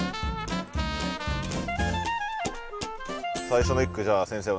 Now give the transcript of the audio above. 最初の１句じゃあ先生